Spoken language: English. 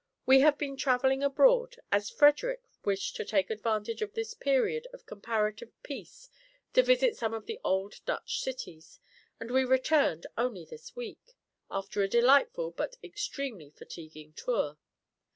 We have been travelling abroad, as Frederick wished to take advantage of this period of comparative peace to visit some of the old Dutch cities, and we returned only this week, after a delightful but extremely fatiguing tour.